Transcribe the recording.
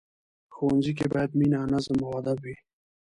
ښوونځی کې باید مینه، نظم او ادب وي